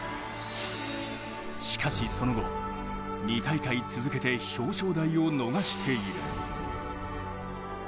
しかしその後、２大会続けて表彰台を逃している。